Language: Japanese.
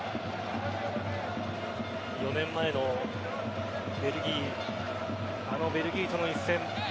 ４年前のあのベルギーとの一戦